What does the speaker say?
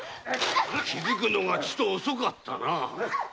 気づくのがちと遅かったな。